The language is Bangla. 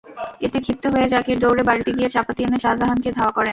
এতে ক্ষিপ্ত হয়ে জাকির দৌড়ে বাড়িতে গিয়ে চাপাতি এনে শাহজাহানকে ধাওয়া করেন।